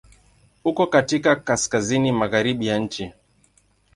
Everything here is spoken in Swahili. Uko katika kaskazini-magharibi ya nchi.